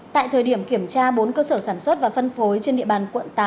tại thời điểm kiểm tra bốn cơ sở sản xuất và phân phối trên địa bàn quận tám